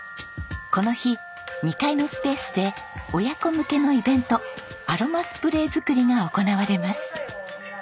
この日２階のスペースで親子向けのイベントアロマスプレー作りが行われます。